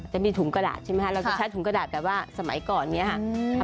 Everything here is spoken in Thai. จะมีถุงกระดาษใช่ไหมคะเราจะใช้ถุงกระดาษแบบว่าสมัยก่อนเนี่ยค่ะ